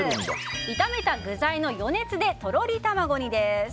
炒めた具材の余熱でとろり卵に！です。